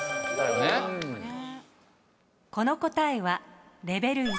この答えはレベル１。